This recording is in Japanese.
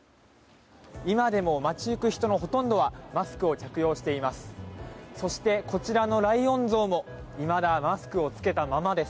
今でも街行く人のほとんどはマスクを着用しています。